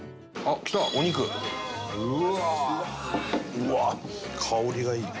うわっ香りがいいね。